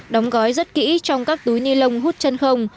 đóng gói rất kỹ trong các túi ni lông hút chân không